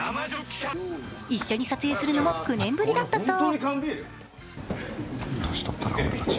一緒に撮影するのも９年ぶりだったそう。